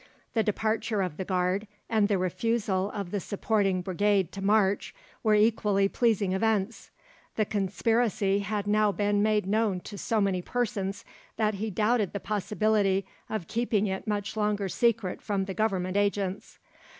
The departure of the Guard, and the refusal of the supporting brigade to march, were equally pleasing events. The conspiracy had now been made known to so many persons that he doubted the possibility of keeping it much longer secret from the Government agents.